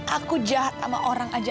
aku jahat sama orang aja